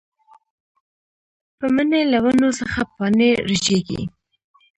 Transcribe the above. پۀ مني له ونو څخه پاڼې رژيږي